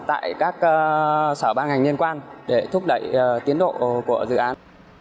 tại các sở ban ngành liên quan để thúc đẩy tiến độ của dự án